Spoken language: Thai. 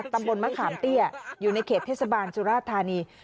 ตำบลมะขามเตี้ยอยู่ในเขตเทศบาลสุราธานี